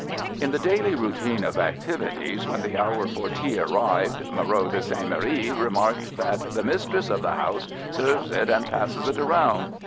" In the daily routine of activities when the hour for tea arrived, Moreau de St. Méry remarked that "the mistress of the house serves it and passes it around."